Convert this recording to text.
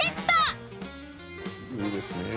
いいですね。